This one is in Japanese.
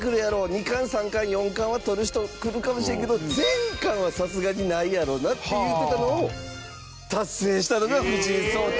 二冠、三冠、四冠はとる人くるかもしれんけど全冠は、さすがにないやろうなっていうてたのを達成したのが藤井聡太